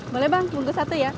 boleh bang tunggu satu ya